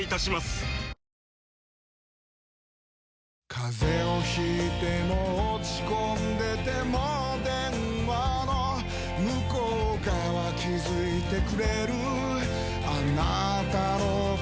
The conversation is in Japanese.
風邪を引いても落ち込んでても電話の向こう側気付いてくれるあなたの声